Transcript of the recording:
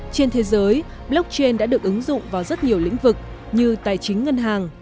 trên thế giới blockchain đã được ứng dụng vào rất nhiều lĩnh vực như tài chính ngân hàng